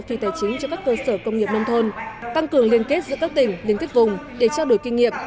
phi tài chính cho các cơ sở công nghiệp nông thôn tăng cường liên kết giữa các tỉnh liên kết vùng để trao đổi kinh nghiệm